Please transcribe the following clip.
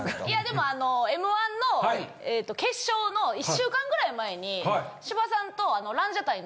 いやでも『Ｍ−１』の決勝の１週間ぐらい前に。